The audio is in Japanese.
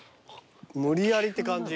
無理やりって感じ。